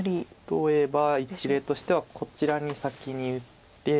例えば一例としてはこちらに先に打って。